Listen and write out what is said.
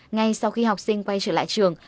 ngay sau khi học sinh quay trở lại trường